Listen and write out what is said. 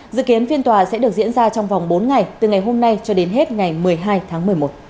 dự kiến phiên tòa sẽ được diễn ra trong vòng bốn ngày từ ngày hôm nay cho đến hết ngày một mươi hai tháng một mươi một